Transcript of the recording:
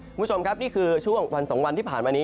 คุณผู้ชมครับนี่คือช่วงวัน๒วันที่ผ่านมานี้